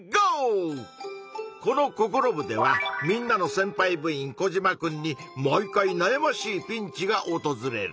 このココロ部ではみんなのせんぱい部員コジマくんに毎回なやましいピンチがおとずれる。